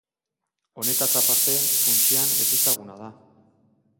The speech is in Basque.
Honetaz aparte, funtsean ezezaguna da.